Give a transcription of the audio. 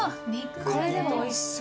これでもおいしそう。